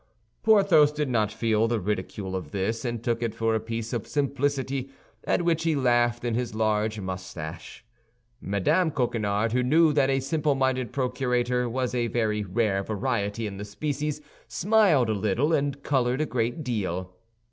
Porthos did not feel the ridicule of this, and took it for a piece of simplicity, at which he laughed in his large mustache. Mme. Coquenard, who knew that a simple minded procurator was a very rare variety in the species, smiled a little, and colored a great deal.